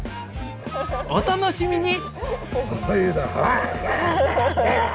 お楽しみに！